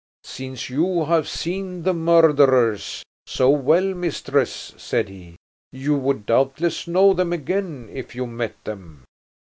"Since you have seen the murderers so well, mistress," said he, "you would doubtless know them again if you met them?"